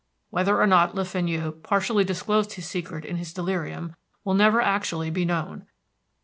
Whether or not Le Fenu partially disclosed his secret in his delirium, will never actually be known.